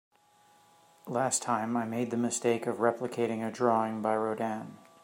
Last time, I made the mistake of replicating a drawing by Rodin.